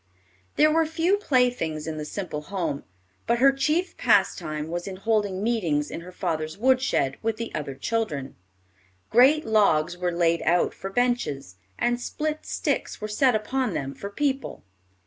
There were few playthings in the simple home, but her chief pastime was in holding meetings in her father's woodshed, with the other children. Great logs were laid out for benches, and split sticks were set upon them for people.